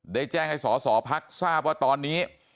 ได้แจ้งให้สอสอพักทราบว่าตอนนี้